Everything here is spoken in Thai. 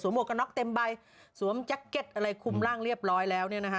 สวมโหกน็อคเต็มใบสวมแจ็คเก็ตอะไรคุมร่างเรียบร้อยแล้ว